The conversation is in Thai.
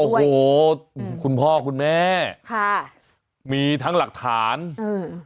โอ้โหคุณพ่อคุณแม่ค่ะมีทั้งหลักฐานเออ